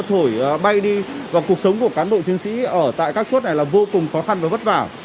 thổi bay đi và cuộc sống của cán bộ chiến sĩ ở tại các chốt này là vô cùng khó khăn và vất vả